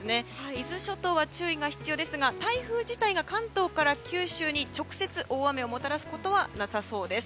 伊豆諸島は注意が必要ですが台風自体が関東から九州に直接大雨をもたらすことはなさそうです。